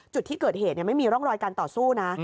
จุดที่เกิดเหตุไม่มีร่องรอยการต่อสู้นะ